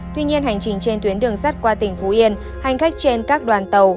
tuy nhiên hành trình trên tuyến đường sắt qua tỉnh phú yên hành khách trên các đoàn tàu